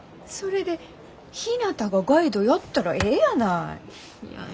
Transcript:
それでひなたがガイドやったらええやない。